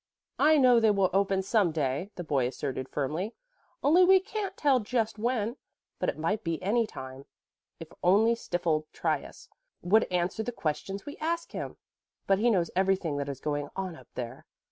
"I know they will open some day," the boy asserted firmly, "only we can't tell just when; but it might be any time. If only stiff old Trius would answer the questions we ask him! He knows everything that is going on up there.